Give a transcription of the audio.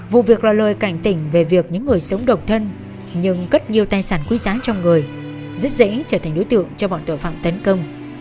vụ việc là lời cảnh tỉnh về việc những người sống độc thân nhưng cất nhiều tài sản quý giá trong người rất dễ trở thành đối tượng cho bọn tội phạm tấn công